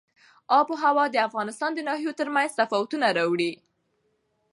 آب وهوا د افغانستان د ناحیو ترمنځ تفاوتونه راولي.